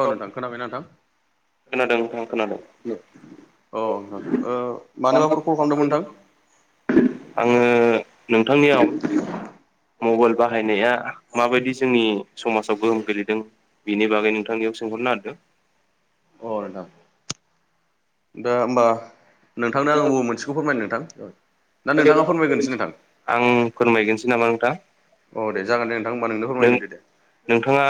औ नोंथां खोनाबाय नोंथां? खोनादों नोंथां खोनादों [inaudible] औ मानोबाफोर कल खालामदोंमोन नोंथां? आङो नोंथांनियाव मबाइल बाहायनाया माबायदि जोंनि समाजाव गोहोम गोलैदों बेनि बागै नोंथांनियाव सोंहरनो निरदों दे होमबा नोंथांनो आं बबे मोनसेखौ फोरमायनो नोंथां? ना नोंथाङा फोरमायग्रोनोसै नोंथां आं फोरमायगोरनोसै नामा नोंथां औ दे जागोन दे नोंथांमोन नों नोंथाङा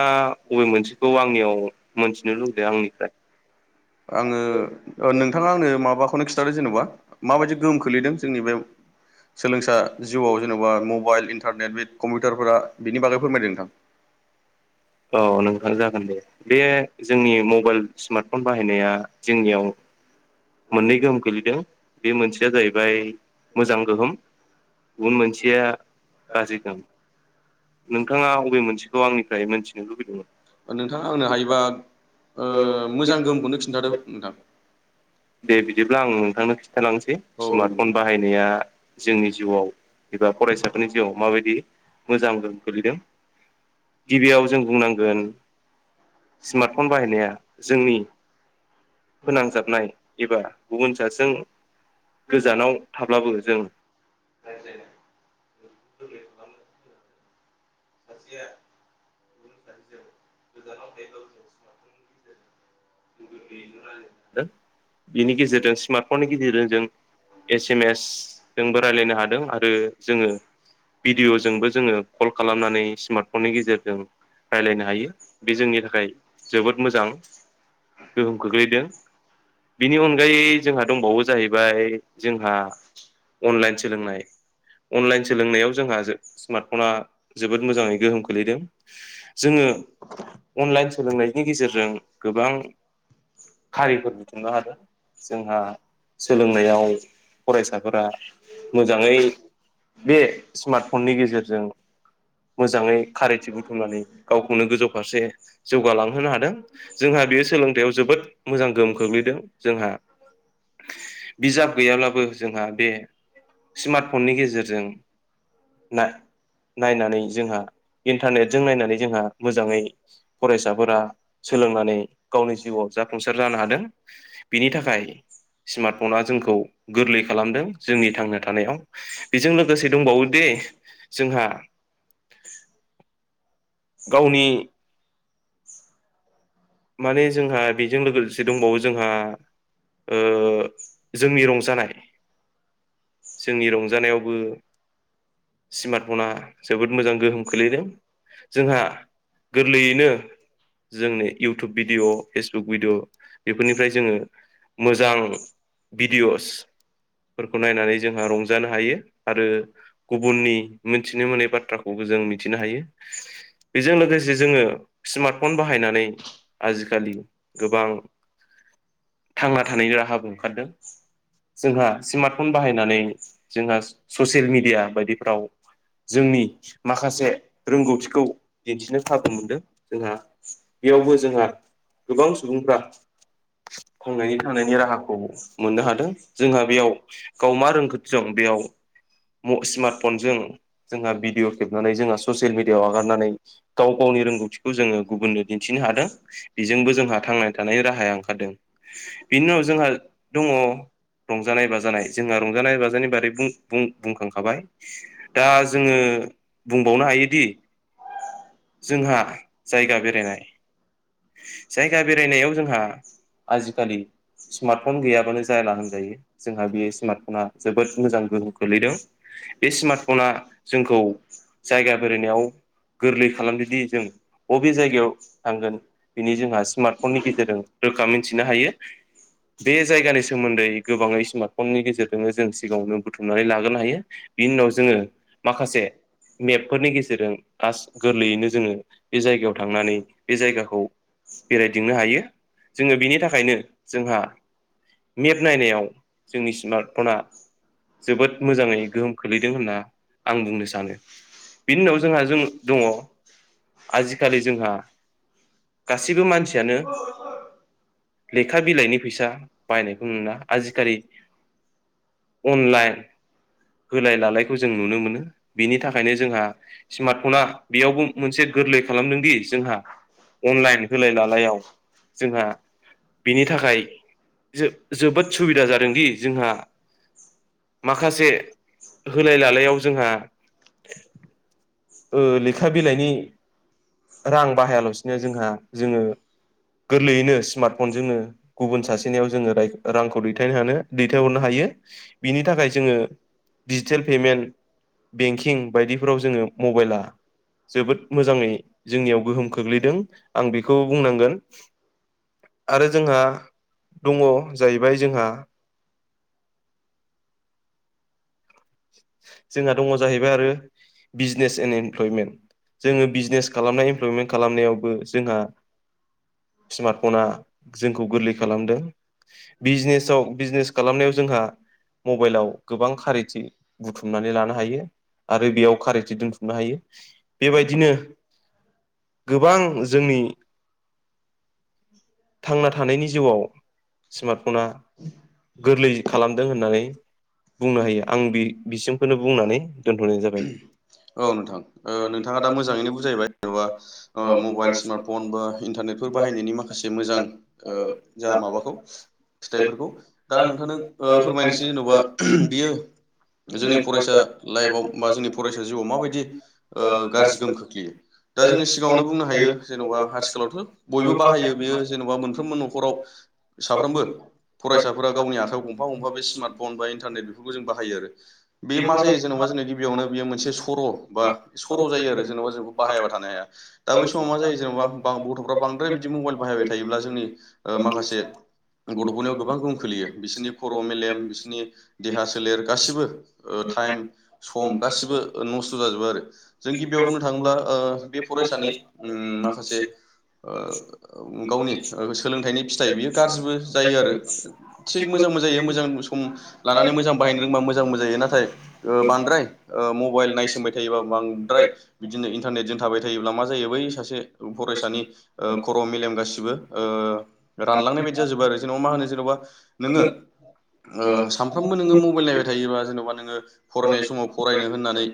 बबे मोनसेखौ आंनियाव मोनथिनो लुबैदों आंनिफ्राय आङो नोंथाङा आंनो माबाखौनो खिन्थादों जेनेबा माबायदि गोहोम खोलैदों जोंनि बे [inaudible] सोलोंसा जिउआव जेन'बा मबाइल इन्टारनेट बे कम्पिउटारफोरा बिनि बागै फोरमायदों नोंथां औ नोंथां जागोन दे बे जोंनि मबाइल स्मार्टफन बाहायनाया जोंनियाव मोननै गोहोम गोलैदों बे मोनसेया जाहैबाय मोजां गोहोम गुबुन मोनसेया गाज्रि गोहाम नोंथाङा अबे मोनसेखौ आंनिफ्राय मोनथिनो लुबैदोंमोन नोंथाङा आंनो हायोबा ओ मोजां गोहोमखौनो खिन्थादो नोंथां दे बिदिब्ला आं नोंथांनो खिन्थालांसै औ स्मार्टफन बाहायनाया जोंनि जिउआव एबा फरायसाफोरनि जिउआव माबायदि मोजां गोहोम गोलैदों गिबियाव जों बुंनांगोन स्मार्टफन बाहायनाया जोंनि फोनांजाबनाय एबा गुबुन सासेजों गोजानाव थाब्लाबो हगाहरदों जों रायज्लायनाय । सासेया गोजानाव थाहैब्लाबो [unintelligible] गेजेर [unintelligible] बिनि गेजेरजों स्मार्टफननि गेजेरजों जों एस एम एस जोंबो राय्लायनो हादों आरो जोङो भिडिअ'जोंबो जोङो कल खालामनानै स्मार्टफननि गेजेरजों रायलायनो हायो बे जोंनि थाखाय जोबोद मोजां गोहोम खोख्लैदो । बिनि अनगायै जोंहा दंबावो जाहैबाय जोंहा अनलाइन सोलोंनाय अनलाइन सोलोंनायाव जोंहा स्मार्टफना जोबोद मोजाङै गोहोम खोलैदों जोङो अनलाइन सोलोंनायनि गेजेरजों गोबां खारिफोर दिथिुननो हादों जोंहा । सोलोंनायाव फरायसाफोरा मोजाङै बे स्मार्टफननि गेजेरजों मोजाङै खारैथि बुथुमनानै गावखौनो गोजौ फारसे जौगालांहोनो हादों । जोंहा बेयो बे सोलोंथायाइयाव जोबोद मोजां गोहोम खोख्लैदों जोंहा बिजाब गैयाब्लाबो जोंहा बे स्मार्टफननि गेजेरजों [unintelligible] नायनानै जोंहा इन्टारनेटजों नायनानै जोंहा मोजाङै फरायसाफोरा सोलोंनानै गावनि जिउआव जा फुंसार जानो हादों बिनि थाखाय स्मार्टफना जोंखौ गोरलै खालामदों जोंनि थांना थानायाव बेजों लोगोसे दंबावो दे जोंहा गावनि [unintelligible] माने जोंहा बेजों लोगोसे दंबावो जोंहा ओ जोंनि रंजानाय जोंनि रंजानायावबो स्मार्टफना जोबोद मोजां गोहोम खोलैदों जोंहा गोरलैयैनो [unintelligible] जोंनि इउटुब भिडिअ फेसबुक भिडिअ बेफोरनिफ्राय जोङो मोजां भिडिअस फोरखौ नायनानै जोंहा रंजानो हायो आरो गुबुननि मोनथिनो मोनै बाथ्राखौबो जों मिथिनो हायो बेजों लोगोसे जोंङो स्मार्ट फन बाहायनानै आजि कालि गोबां थांना थानायनि राहाबो ओंखारदों जोंहा स्मार्टफन बाहायनानै जोंहा ससेल मिडिया बायदिफ्राव जोंनि माखासे रोंगौथिखौ दिन्थिनो खाबु मोनदों जोंहा बेयावबो जोंहा गोबां सुबुंफ्रा थांनानै थानायांनि राहाखौ मोननो हादों जोंहा बेयाव गाव मा रोंगौथि दं बेयाव म स्मार्टफनजों जोंहा भिडिअ खेबनानै जोंहा ससेल मिडियाआव आगारनानै गाव गाव नि रोंगौथिखौ जोंङो गुबुननो दिन्थिनो हादों । बेजोंबो जोंहा थांनानै थानायनि राहाया ओंखारदों बेनि उनाव जोंहा दंङ रंजानाय बा जानाय जोंहा रां जानाय बाजा नाजानायनि बादै बुं-बुं-बुंखांखाबाय दा जोंङो बुं [inaudible] जोंहा जायगा बेरायनाय जायगा बेरायनायाव जोंहा आजि कालि स्मार्टफन गैयाबानो जाला होनजायो जोंहा बेयो स्मार्टफना जोबोद मोजां गोहोम खोलैदों बे स्मार्टफना जोंखौ जायगा बेरायनायाव गोरलै खालामदोदि जों बबे जायगायाव थांगोन दिनि जोंहा स्मार्टफननि गेजेरजों रोखा मोनथिनो हायो बे जायगानि सोमोन्दै गोबाङै स्मार्टफननि गेजेरजोंनो जों सिगाङावनो बुथुमनानै लाग्रोनो हायो बिनि उनाव जोंङो माखासे मेपफोरनि गेजेरजों आस गोरलैयैनो जोंङो बे जायगायाव थांनानै बे जायगाखौ बेरायदिंनो हायो जोंङो बिनि थाखायनो जोंहा मेप नायनायाव जोंनि स्मार्टफना जोबोद मोजाङै गोहोम खोलैदों होनना आं बुंनो सानो बिनि उनाव जोंहा जों दंङ आजि कलि जोंहा गासैबो मानसियानो [inaudible] लेखा बिलाइनि फैसा बाहाय नायखौ नुला आजि कालि अनलाइन होलाय लालायखौ जों नुनो मोनो बिनि थाखायनो जोंहा स्मार्टफना बेयावबो मोनसे गोरलै खालामदों दि जोंहा अनलाइन होलाय लालायाव जोंहा बिनि थाखाय जो-जोबोद सुबिदा जादोंदि जोंहा माखासे होलाय लालायाव जोंहा ओ लेखा बिलाइनि रां बाहायालसिनो जोंहा जोंङो गोरलैयैनो स्मार्टफन जोंनो गुबुन सासेनियाव जोंङो राय रांखौ दैथाहानो दैथायहरनो हायो बिनि थाखाय जोंङो डिजिटेल पेमेन्ट बेंकिं बायदिफोराव जोंङो मबाइला जोबोद मोजांङै जोंनियाव गोहोम खोख्लैदों आं बेखौ बुंनांगोन आरो जोंहा दंङ जाहैबाय जोंहा जोंहा दङ जाहैबाय आरो बिजनेस एन्ड इमप्लयमेन्ट जोंङो बिजनेस खालामनाय इमप्लयमेन्ट खालामनायावबो जोंहा [inaudible] स्मार्टफना जोंखौ गोरलै खालामदों बिजनेसाव बिजनेस खालामनायाव जोंहा मबाइलाव गोबां खारेथि बुथुमनानै लानो हायो आरो बेयाव कारेथि दोनथुमनो हायो बेबायदिनो गोबां जोंनि औ थांना थानायनि जिउआव स्मार्टफना गोरलै खालामदों होननानै बुंनो हायो आं बे बिसिमखौनो बुंनानै दोनथ'नाय जाबाय औ नोंथां नोंथांङा दा मोजांङैनो बुजायबाय जेन'बा मबाइल स्मार्ट फन बा इन्टारनेट बे बाहायनायनि माखासे मोजां जा माबाखौ फिथाइफोरखौ दा नोंथांनो फोरमायनोसै जेन'बा बियो जोंनि फरायसा लाइफआव बा जोंनि फरायसा जिउआव माबायदि गाज्रि गोहोम खोख्लैयो दा जोंङो सिगाङावनो बुंनो हायो जेन'बा आथिखालावथ' बयबो बाहायो बेयो जेन'बा मोनफ्रबो न'खराव साफ्रोमबो फरायसाफोरा गावनि आखायाव गंफा गंफा बे स्मार्ट फन बा इन्टारनेट बेफोरखौ जों बाहायो आरो बे मा जायो जेन'बा जोंनि गिबियावनो बेयो मोनसे सर' बा सर' जायो आरो जेन'बा जोंखौ बाहायाबा थानो हाया दा ब समाव मा जायो जेनेबा ब गथ'फ्रा बांद्राय बिदि मबाइल बाहायबाय थायोब्ला जोंनि माखासे गथ'फोरनियाव गोबां गहोम खोलैयो बिसोरनि खर' मेलेम बिसोरनि देहा सोलेर गासैबो गासिबो टाइम सम गासिबो नस्थ' जाजोबो आरो जों गिबियाव बुंनो थांङोब्ला बे फरायसानि माखासे गावनि सोलोंथाइनि फिथाइ बियो गाज्रिबो जायो आरो थिग मोजांबो जायो मोजां समाव लानानै मोजां बाहायनो रों जायो बांद्राय मबाइल नायसबाय थायोब बांद्राय बिदिनो इन्टरनेटजों थाबाय थायोब्ला मा जायो बै सासे फरायसानि खर मेलेम गासिबो रानलांनाय बायदि जाजोबो आरो जेनेबा मा होनो जेनेबा नोंङो सानफ्रामबो नोंङो मबाइल नायबाय थायो जेन'बा नोंङो फरायनाय समाव फरायनो होननानै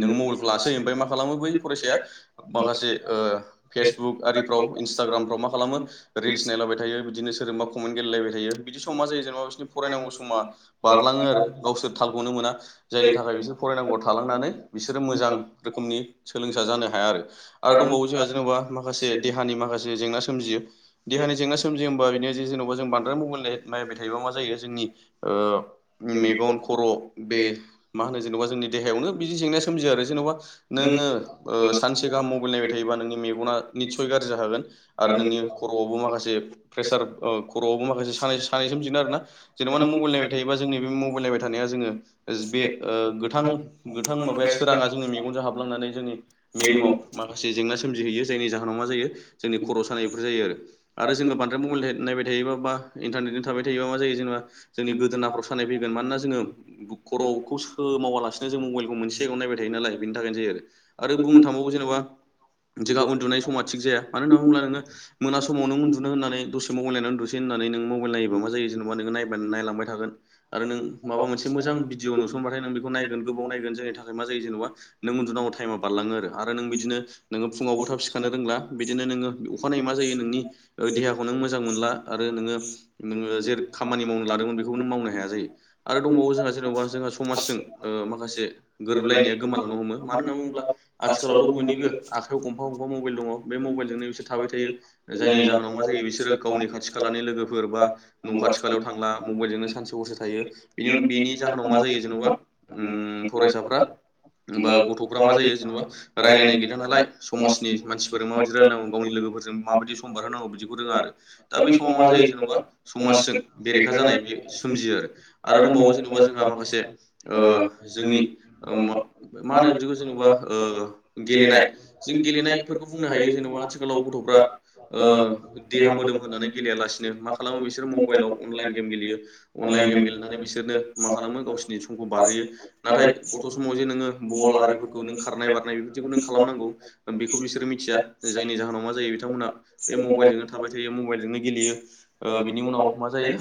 नोंङो मबाइलखौ लासोै ओमफ्राय मा खालामो बै फरायसाया माखासे फेसबुक आरिफ्राव इन्सटाग्रामफ्राव मा खालामो रिल्स नायलायबाय थायो बिदिनो सोरबा कमेन्ट गेलेलायबाय थायो बिदि समा जायो जेनेबा बिसोरनि फरायनांगौ समा बारलांङो आरो गावसोर तालखौनो मोना जायनि थाखाय बिसोर फरायनांगौआव थालांनानै बिसोरो मोजां रोखोमनि सोलोंसा जानो हाया आरो आरो दंबावो जोंहा यो देहानि जेंना सोमजियोब्ला बि जेनबा जों बद्राय मबाइल नायबाय थायोबा मा जोंनि मेगन खर बे मा होनो जेनेबा जोंनि देहायावनो बिदि जेंनाया सोमजियो आरो जेन'बा नोंङो सानसे गाहाम मबाइल नायबाय थायोबा नोंनि मेगन ना निसय गारजि जाखागोन आरो नों खरयाबो माखासेे फ्रेसार ओ खर आवबो माखासे सानाय सोमजिगोन आरो ना जेनेबा मबाइल नायबाय थायोबा जोंनि बे मबाइल नायबाय थानाया जोंङो बे गो गोथां माब सोरांङा जोंङो मेगनजों हाबलांनानै जोंनि मेलेमाव माखासे जेंना सोमजिहैयो जायनि जाहोनाव मा जायो जोंनि खर' सानाय बेफोर जायो आरो जोंङो बांद्राय मबाइल नायबाय थायो बा इन्टारने थाबाय थायोबा मा जायो जेनेबा जोंनि गोदोनाफ्राव सानाय फैगोन मानोना जोंङो ख'खौ स मावालासिनो जों मबाइलखौ मोनसे सेगायाव नायबाय थायो नालाय बेनि थाखायनो जायो आरो बुंनो थांबावो जेनेबा दिगा उन्दुनाय समा थिग जाया मानो होनना बुंङोब्ला नोंङो मोना समाव नों उन्दुनो होननानै दसे समाव अनलायनानै उन्दुसै होननानै नों मबाइल नायोबा मा जायो जेन'बा नोंनाय नायलांबाय थागोन आरो नों माबा मोनसे मोजां भिडअ नुसनबाथाय नों बेखौ नायगोन गोबाव नायगोन जोंनि थाखाय मा जायो जेनेबा नों उन्दुुनांगौ टाइमा बारलांङो आरो नों बिदिनो नोंङो फुंङावबो थाब सिखानो रोंला बिदिनो नोंङो अखानायै मा जायो नोंनि देहाखौ नों मोजां मोनला आरो खामानि मावनो लादोंमोन बेखौबो मावनो हाया जायो आरो दंबावो जोंहा जेनेबा जों समाजजों माखासे गोरोबलायनाया गोमालांनो हमो मानो होनना बुंङोब्ला आथिखालावथ' बयनिबो आखाइयाव गंफा गंफा मबाइल दङ बे मबाइलजोंनो बिसोर थाबाय थायो जायनि जाहोनाव मा जायो बिसोर गावनि खाथि खाला लोगो बा' खाथि खाला थांला मबाइजोंनो सानसे हरसे थायो बेनि जाहोनाव मा जायो जेनबा फरायसाफ्रा बा गथ'फ्रा मा जायो जेनेबा रायायनाय गैया नालाय समनि मानसि माबायदि रायायनांगौ गावनि लोगोजों माबायदि सम बारहोनांगौ बिदिखौ रोंङा आरो दा बे बे समाव मा जायो जेनेबा समाजजों बेरेखा जानाय बे सोमजियो आरो आरो दंबावो जेनेबा जोंहा माखासे जोंनि मा होनो बिदिखौ जेनेबा गेलेनाय जों गेलेनायफोरखौ बुंनो हायो जेनेबा आथिखालाव गथ'फ्रा देहा मोदोम होनानै गेलेयालासिनो मा खालामो बिसोर मबाइलाव अनलाइन गेम गेलेयो अनलाइन अनलाइन गेम गेलेनानै बिसोरो माखालामो गावसोरनि सम बारहोयो नाथाय गथ' समाव जे नोङो बल आरिफोरखौ नों खारनाय बारनाय बेफोरदिखौ नों खालामनांगौ बेखौ बिसोर मिथिया जायनि जाहोनाव मा जायो बिथांमोना बे मबाइलजोंनो थाबाय थायो मबाइल जों- नो गेलेयो बिनि उनाव मा जायो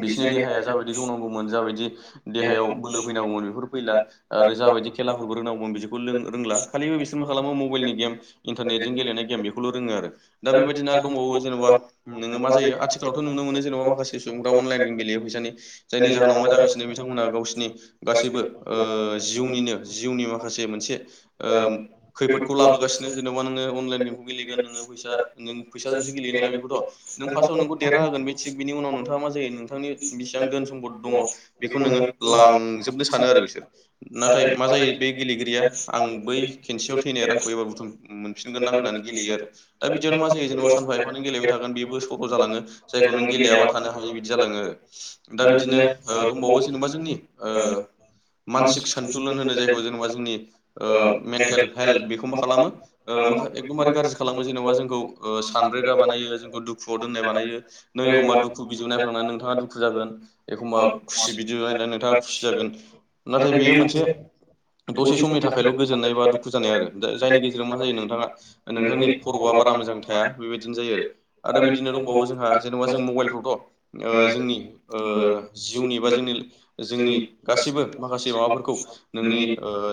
बिसिनि देहाया जाबायदि जौनांगौमोन जाबायदि देहायाव बोलो फैनांगौमोन बेफोर फैला आरो जाबायदि खेलाफोरबो रोंनांगौमोन बिदिखौ रोंला खाालिबो बिसोरबो खालामो मबाइलनि गेम इन्टारनेटजों गेलेनाय गेम बेखौल रोङो आरो दा बेबायदि आरो दंबावो जेनेबा नोङो मा जायो आथिखालावथ' नुनो मोनो जेनेबा माखासे सुबुंफ्रा अनलाइन गेलेयोफैसानि जायनि जाहोनाव मा जागोन गावसिनि गासैबो जिउनिनो जिउनि माखासे मोनसे खैफोदखौ लाबोगासिनो जेन'बा नोङो अनलाइन गेमखौ गेलेगोन नोङोै फैसाजोंसो गेलेयो नालाय खौथ' नों फार्आव नोंखौ देरा होगोन बे थिग बिनि उनाव नोंथाङा मा जायो नोंथांनि बेसेबां दोन सम्द दङ बे खौ नोङो लांजोबनो सानो आरो बिसोर नाथाय मा जायो बे गेलेगिरिया आं बै खेनसेयाव थैनाय रांखौ एबार बुथुम मोनफिनगोन दां होन्नानै गेलेयो आरो दा बिदियावनो मा जायो जेनेबा सानफा खायफा नों गेलेबाय थागोन बेबो सह' जालाङो जायखौ नों गेलेयाबा थानो हायि बायदि जालाङो दा बिदिनो दंबावो जेनेबा जोंनि ओ मानसिक सानथुलन होनो जायखौ जेनेबा जोंनि ओ मेन्टेल हेल्थ बेखौ मा खालामो बेखौ मारै गाज्रि खालामो जेनेबा जोंखौ सानब्रे नाय बानायो जों दुखुआव दोनाय बानायो नों एखनबा दुखु भेडिव नायफ्लांनानै नोंथाङा दुखु जागोन एखनबा भिडिय नायनानै नोंथाङा खुसि जागोन नाथाय बेयो मोनसे दसे समनि थाखाय बेल' गोजोननाय बा दुखु जानाय आरो दा जायनि गेजेरजों मा जायो नोंथाङा नोंथांनि खर'आ बारा मोजां थाया बे बिदिनो जायो आरो आरो दंबावयो जोंहा जेनेबा जों मबाइलखौथ' जोंनि ओ जिउनि बा जोंनि जोंनि गासैबो माखासे माबाफोरखौ नोंनि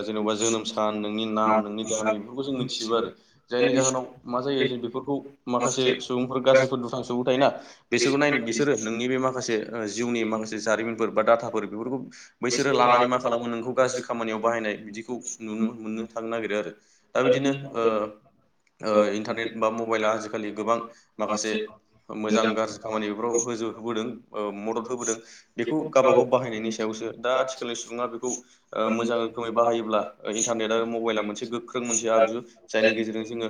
जेनेबा जोनोम सान नोंनि नाम नोंनि गामि बेफोरखौ जों मिथिजोबो आरो जायनि जाहोनाव मा जायो जों बेफोरखौ माखासे सुबुंफोर गाज्रिफोर दुथां सुबुं थायोना बिसोरखौ नायनो बिसोरो नोंनि बे माखासे जिउनि मा खासे जारिमिनफोर बा डाटाफोर बेफोरखौ बैसोरो लानानै मा खालामो नोंखौ गाज्रि खामानियाव बाहायनाय बिदिखौ नुनो मोननो थांनो नागिरो आरो दा बिदिनो ओ ओ इन्टारनेट बा मबाइला आजिखालि गोबां माखासे मोजां गाज्रि खामानिफ्राव हो गोजौ होबोदों मदद होबोदों। बेखौ गावबा गाव बाहायनायनि सायावसो दा आथिखालनि सुबुङा बेखौ मोजां रोखोमै बाहायोब्ला इन्टारनेट आरो मबाइला मोनसे गोख्रों मोनसे आगजु जायनि गेजेरजों जोङो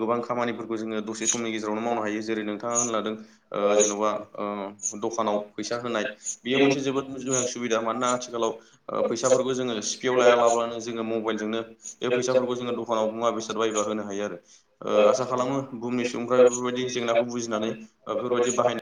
गोबां खामानिफोरखौ जोङो दसे समनि गेजेरावनो मावनो हायो जेरै नोंथाङा होनलादों जेन'बा दखानाव फैसा होनाय बेयो मोनसे जोबोद मोजां सुबिदा मानोना आथिखालाव फैसाफोरखौ जोङो सिफियाव लायालाबानो जोंङो मबाइल जोंनो बे फैसाफोरखौ जोङो दखानावबो मुवा बेसाद बायोब्ला होनो हायो आरो आसा खालामो बुहुमनि सुबुंफ्रा बेफोरबायदि जेंनाखौ बुजिनानै बेफोरबायदि बाहायनाय